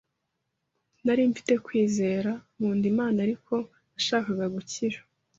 Nari mfite kwizera, nkunda Imana ariko ntashaka gukira.